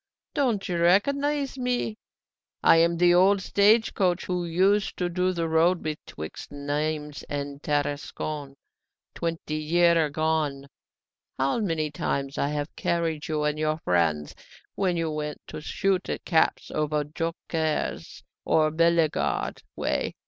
Don't you recognise me? I am the old stage coach who used to do the road betwixt Nimes and Tarascon twenty year agone. How many times I have carried you and your friends when you went to shoot at caps over Joncquieres or Bellegarde way!